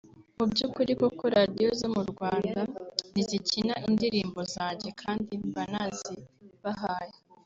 Mu by’ukuri koko Radio zo mu Rwanda ntizikina indirimbo zanjye kandi mba nazibahaye